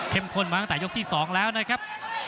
ข้นมาตั้งแต่ยกที่๒แล้วนะครับ